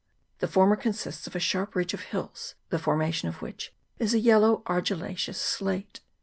The former consists of a sharp ridge of hills, the formation of which is a yellow argillaceous slate.